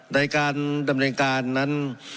ในการดำเนินการนั้น